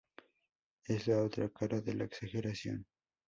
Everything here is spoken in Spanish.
Es la otra cara de la exageración".